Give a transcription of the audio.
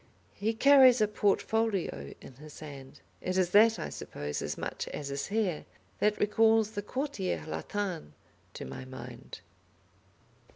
He carries a portfolio in his hand. It is that, I suppose, as much as his hair, that recalls the Quartier Latin to my mind.